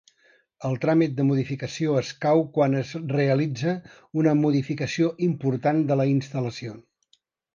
El tràmit de modificació escau quan es realitza una modificació important de la instal·lació.